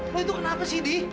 oh itu kenapa sih di